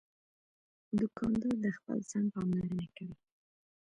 دوکاندار د خپل ځان پاملرنه کوي.